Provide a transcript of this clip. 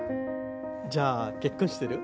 じゃあ結婚してる？